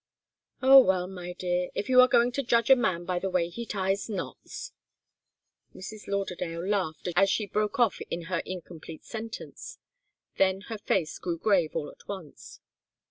"Oh, well, my dear if you are going to judge a man by the way he ties knots " Mrs. Lauderdale laughed as she broke off in her incomplete sentence. Then her face grew grave all at once.